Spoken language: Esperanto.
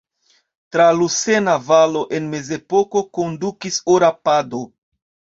Tra Lusena valo en mezepoko kondukis Ora pado.